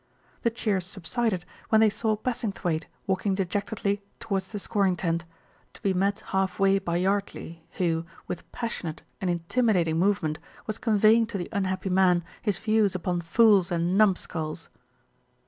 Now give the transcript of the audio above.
The cheers subsided when they saw Bassingthwaighte walking dejectedly towards the scoring tent, to be met half way by Yardley, who, with passionate and intimidating movement, was conveying to the unhappy man his views upon fools and "numb skulls."